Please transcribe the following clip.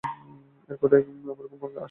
এখন আর ঘুম আসবে না।